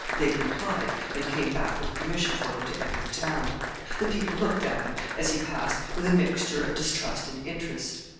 They complied, and came back with permission for him to enter the town. The people looked at him, as he passed, with a mixture of distrust and interest.